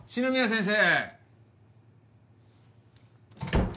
先生！